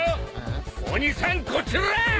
鬼さんこちらぁ！